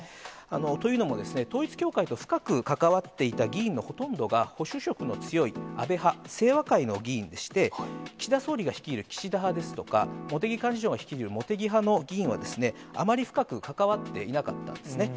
というのも、統一教会と深く関わっていた議員のほとんどが保守色の強い安倍派・清和会の議員でして、岸田総理が率いる岸田派ですとか、茂木幹事長が率いる茂木派の議員は、あまり深く関わっていなかったんですね。